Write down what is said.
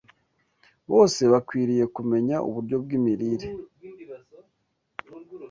Bose bakwiriye kumenya uburyo bw’imirire